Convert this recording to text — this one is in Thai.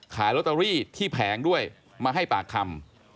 ขายลอตเตอรี่ที่แผงด้วยมาให้ปากคำ